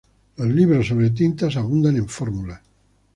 Los libros sobre tintas abundan en fórmulas.